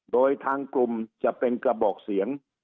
โดยทางกลุ่มจะเป็นกระบอกเสียง